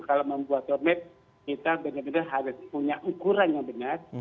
kalau membuat roadmap kita benar benar harus punya ukuran yang benar